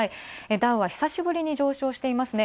ダウは久しぶりに上昇していますね。